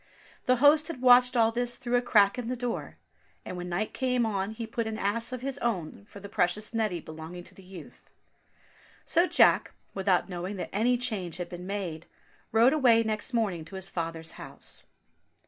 The host had watched all this through a crack in the door, and when night came on he put an ass of his own for the precious Neddy belonging to the youth. So Jack, without knowing that any change had been made, rode away next morning to his father's house.